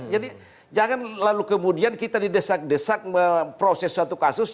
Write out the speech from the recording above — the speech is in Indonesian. jadi jangan lalu kemudian kita didesak desak proses suatu kasus